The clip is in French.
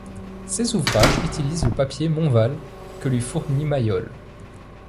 Ses ouvrages utilisent le papier Montval que lui fournit Maillol.